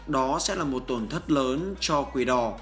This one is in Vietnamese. đó sẽ là một tổn thất lớn cho quỷ đỏ